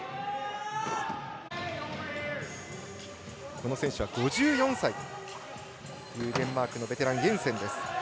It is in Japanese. この選手は５４歳というデンマークのベテランイエンセンです。